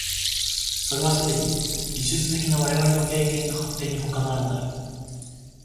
それはすでに技術的な我々の経験の発展にほかならない。